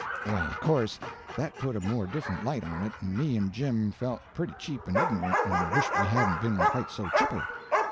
Well, of course, that put a more different light on it, and me and Jim felt pretty cheap and ignorant, and wished we hadn't been quite so chipper.